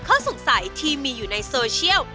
ข้อสงสัยที่มีอยู่ในโซเชียล